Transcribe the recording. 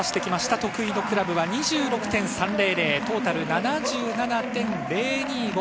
得意のクラブは２６．３００、トータル７７．０２５。